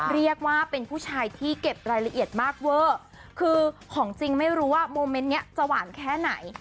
เรียกว่าเป็นผู้ชายที่เก็บรายละเอียดมากเวอร์คือของจริงไม่รู้ว่าโมเมนต์เนี้ยจะหวานแค่ไหน